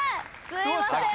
すいません！